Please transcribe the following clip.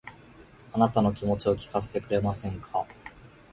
あなたの気持ちを聞かせてくれませんか